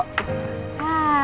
saya mau pergi mana